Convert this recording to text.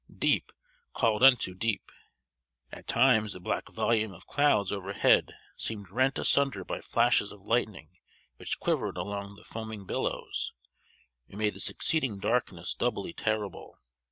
Deep called unto deep. At times the black volume of clouds overhead seemed rent asunder by flashes of lightning which quivered along the foaming billows, and made the succeeding darkness doubly terrible.